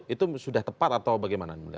itu sudah tepat atau bagaimana